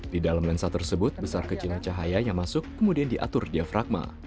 di dalam lensa tersebut besar kecilnya cahaya yang masuk kemudian diatur diafragma